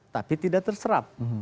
tapi tidak terserap